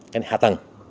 cái hạ tầng